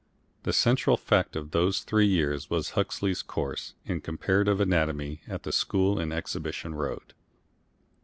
The central fact of those three years was Huxley's course in Comparative Anatomy at the school in Exhibition Road.